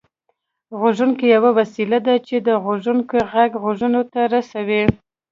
غوږيکې يوه وسيله ده چې د غږوونکي غږ غوږونو ته رسوي